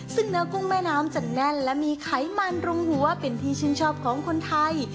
ซึ่งเนื้อกุ้งแม่น้ำจะแน่นและมีไขมันรุงหัวเป็นที่ชื่นชอบของคนไทย